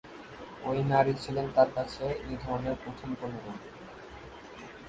ঐ নারী ছিলেন তার কাছে এ ধরনের প্রথম কোন রোগী।